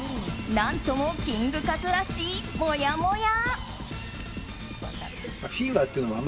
何ともキングカズらしいもやもや。